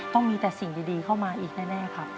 ต้องมีแต่สิ่งดีเข้ามาอีกแน่ครับ